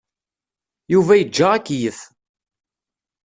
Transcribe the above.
Yuba yeǧǧa akeyyef.